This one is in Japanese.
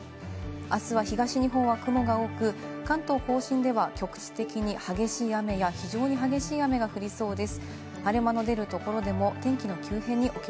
あすは東日本は雲が多く、関東甲信では局地的に激しい雨や非常に激しい雨が降りそうです。